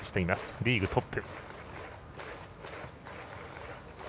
リーグトップ。